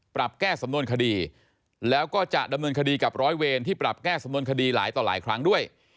แก้สำนวนคดีแล้วก็จะดำเนินคดีกับร้อยเวรที่ปรับแก้สำนวนคดีหลายต่อหลายครั้งด้วย